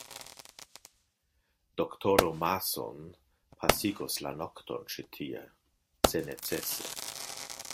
Doktoro Mason pasigos la nokton ĉi tie, se necese.